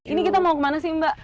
ini kita mau kemana sih mbak